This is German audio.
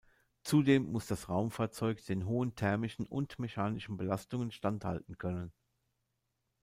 Zudem muss das Raumfahrzeug den hohen thermischen und mechanischen Belastungen standhalten können.